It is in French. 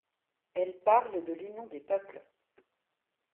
Elle parle de l'union des peuples.